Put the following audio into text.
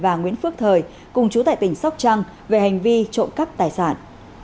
và nguyễn phước thời cùng chú tại tỉnh sóc trăng về hành vi trộm cắp tài sản